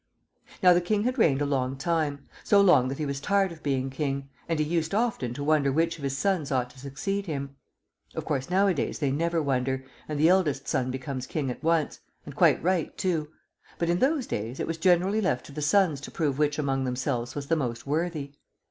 Now the King had reigned a long time, so long that he was tired of being king, and he often used to wonder which of his sons ought to succeed him. Of course, nowadays they never wonder, and the eldest son becomes king at once, and quite right too; but in those days it was generally left to the sons to prove which among themselves was the most worthy.